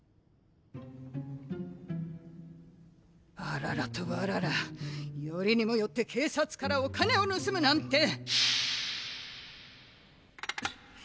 アララとワララよりにもよって警察からお金をぬすむなんて。